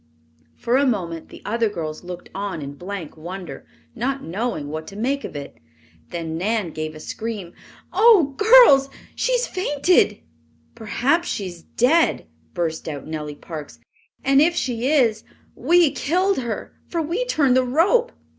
For a moment the other girls looked on in blank wonder, not knowing what to make of it. Then Nan gave a scream. "Oh, girls, she has fainted!" "Perhaps she is dead!" burst out Nellie Parks. "And if she is, we killed her, for we turned the rope!"